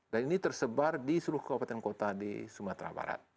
dan ini tersebar di seluruh kabupaten kota di sumatera barat